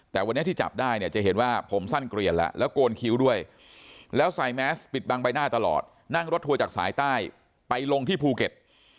แต่วันนี้ที่จับได้เนี่ยจะเห็นว่าผมสั้นเกลียนแล้วแล้วโกนคิ้วด้วยแล้วใส่แมสปิดบังใบหน้าตลอดนั่งรถทัวร์จากสายใต้ไปลงที่ภูเก็ต